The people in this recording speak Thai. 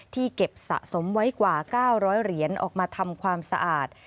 เก็บสะสมไว้กว่า๙๐๐เหรียญออกมาทำความสะอาด